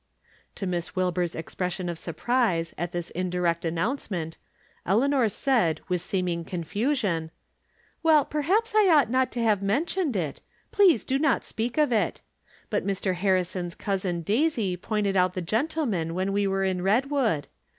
To Miss Wilbur's expression of surprise at this indirect announcement, Eleanor said, with seem ing confusion :" Well, perhaps I ought not to have mentioned it. Please do not speak of it. But Mr. Harri son's Cousin Daisy pointed out the gentleman when we were in Redwood.